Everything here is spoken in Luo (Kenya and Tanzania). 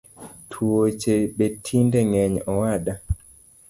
Tuoche betinde ngeny owada